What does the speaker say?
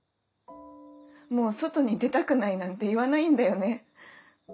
「もう外に出たくない」なんて言わないんだよね。